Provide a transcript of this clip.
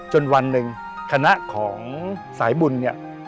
จนวันนึงคณะของสายบุญ